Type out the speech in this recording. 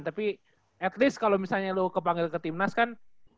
tapi at least kalau misalnya lo kepanggil ke timnas kan